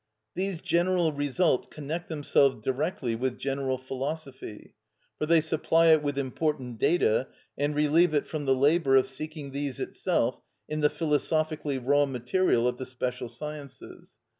These general results connect themselves directly with general philosophy, for they supply it with important data, and relieve it from the labour of seeking these itself in the philosophically raw material of the special sciences.